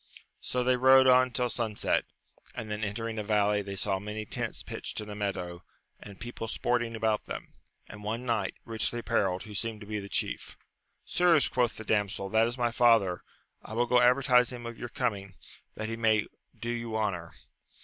So they rode on till sunset, and then entering a valley, they saw many tents pitched in a meadow, and people sporting about them, and one knight, richly apparelled, who seemed to be the chief. Sirs, quoth the damsel, that is my father : I will go advertise him of your coming, that he may do you honour.